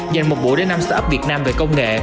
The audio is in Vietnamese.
dành một buổi đêm năm sở ấp việt nam về công nghệ